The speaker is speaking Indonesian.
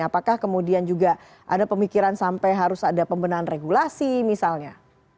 apakah kemudian juga ada pemikiran sampai harus ada pembenahan regulasi misalnya